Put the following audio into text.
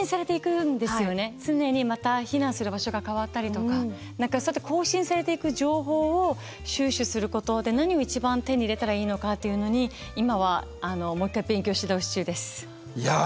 常にまた避難する場所が変わったりとか何かそうやって更新されていく情報を収集することで何を一番手に入れたらいいのかというのに今はあのもう一回勉強し直し中です。